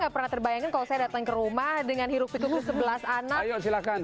kalau saya datang ke rumah dengan hirup itu sebelah sana silakan